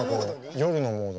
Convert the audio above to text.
夜のモードなの。